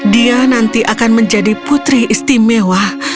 dia nanti akan menjadi putri istimewa